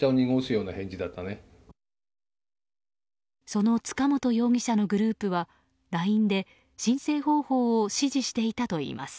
その塚本容疑者のグループはＬＩＮＥで申請方法を指示していたといいます。